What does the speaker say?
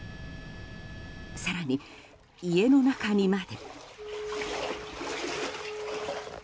更に、家の中にまで。